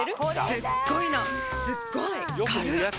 すっごいのすっごい軽っ